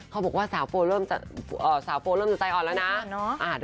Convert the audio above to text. เขาบอกว่าสาวโฟร์เริ่มจะใจอ่อนแล้วนะ